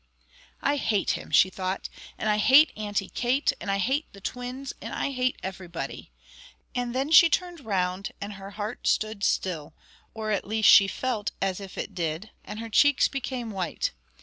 "I hate him," she thought, "and I hate Auntie Kate, and I hate the twins, and I hate everybody," and then she turned round, and her heart stood still or at least she felt as if it did and her cheeks became white.